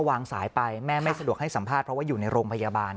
วางสายไปแม่ไม่สะดวกให้สัมภาษณ์เพราะว่าอยู่ในโรงพยาบาล